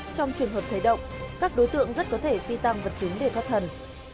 trong trường hợp thấy động các đối tượng rất có thể phi tăng vật chính để thoát thần